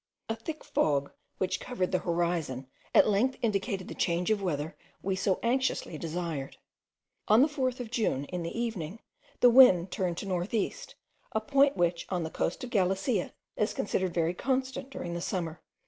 A thick fog, which covered the horizon, at length indicated the change of weather we so anxiously desired. On the 4th of June, in the evening, the wind turned to north east, a point which, on the coast of Galicia, is considered very constant during the summer.